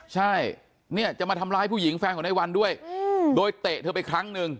ใช่เนี่ยจะมาทำร้ายผู้หญิงแฟนของในวันด้วยโดยเตะเธอไปครั้งหนึ่ง